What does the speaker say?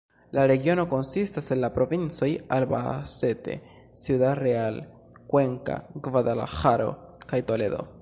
La regiono konsistas el la provincoj Albacete, Ciudad Real, Cuenca, Gvadalaĥaro kaj Toledo.